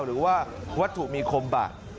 หรือว่าวัตถุมีคมบาด